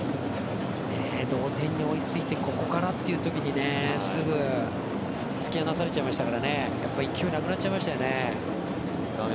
同点に追いついてここからっていう時にすぐ突き放されちゃいましたからやっぱり勢いなくなっちゃいましたね。